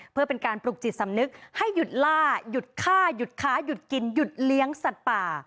เพื่อเป็นการปลุกจิตสำนึกให้หยุดล่าหยุดฆ่าหยุดค้าหยุดกินหยุดเลี้ยงสัตว์ป่า